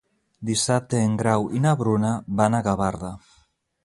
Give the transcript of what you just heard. Dissabte en Grau i na Bruna van a Gavarda.